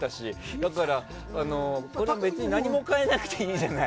だから別に何も変えなくていいじゃない。